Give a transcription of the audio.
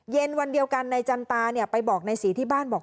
เย็นวันเดียวกันนายจันตาไปบอกนายศรีที่บ้านบอก